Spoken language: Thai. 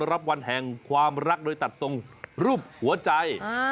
รับวันแห่งความรักโดยตัดทรงรูปหัวใจ